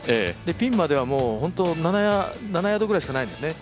ピンまでは本当に７ヤードぐらいしかないんですね。